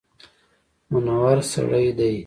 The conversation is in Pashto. منور سړی دی.